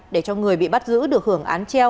để cho người bị bắt giữ được hưởng án treo